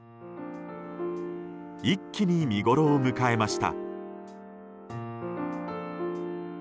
一気に見ごろを迎えました。